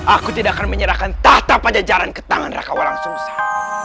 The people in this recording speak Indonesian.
aku tidak akan menyerahkan tahta pajajaran ke tangan raka orang susah